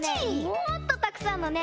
もっとたくさんのね